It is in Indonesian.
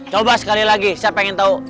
coba sekali lagi saya ingin tahu